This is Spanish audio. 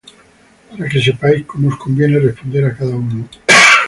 para que sepáis cómo os conviene responder á cada uno.